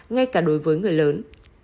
ngay cả đối với người lớn